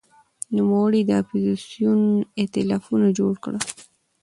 نوموړي د اپوزېسیون ائتلافونه جوړ کړل.